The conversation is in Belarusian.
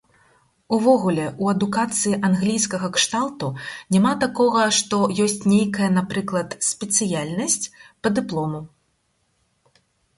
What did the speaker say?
Увогуле ў адукацыі англійскага кшталту няма такога, што ёсць нейкая, напрыклад, спецыяльнасць па дыплому.